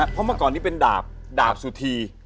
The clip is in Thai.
เพราะเมื่อก่อนนี้เป็นดาบดาบสุธี